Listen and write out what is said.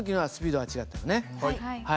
はい。